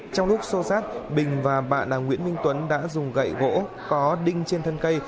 trong lúc xô xát bình và bạn nguyễn minh tuấn đã dùng gậy gỗ có đinh trên thân cây